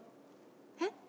えっ？